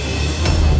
aku mau kemana